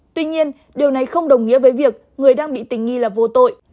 tuy nhiên điều này không đồng nghĩa với việc người đang bị tình nghi là vô tội